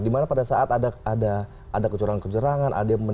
dimana pada saat ada kecurangan kecurangan